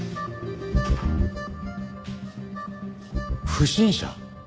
不審者？